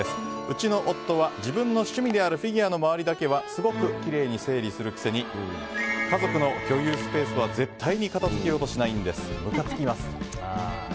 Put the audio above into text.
うちの夫は自分の趣味であるフィギュアの周りだけはすごくきれいに整理するくせに家族の共有スペースは絶対に片付けようとしないんです。